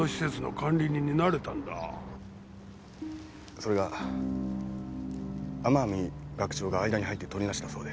それが天海学長が間に入ってとりなしたそうで。